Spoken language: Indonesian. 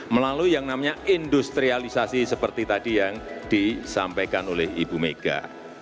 melalui yang namanya industrialisasi seperti tadi yang disampaikan oleh ibu mega